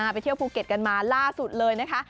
ไปเที่ยวภูเก็ตกันมาล่าสุดเลยนะคะ